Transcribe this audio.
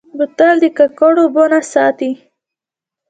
بوتل د ککړو اوبو نه ساتي.